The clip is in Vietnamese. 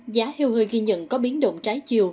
giá heo hơi ghi nhận có biến động trái chiều